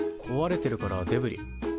こわれてるからデブリ。